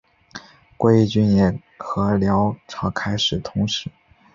归义军也和辽朝开始通使。